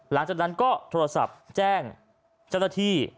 หลังจากนั้นก็โทรศัพท์แจ้งเจ้าหน้าที่